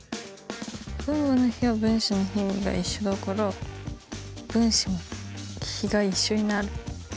分母の比は分子の比が一緒だから分子も比が一緒になる。